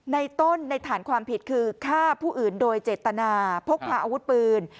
ในต้นในฐานความผิดคือฆ่าผู้อื่นโดยเจตนาพกพาอาวุธปืน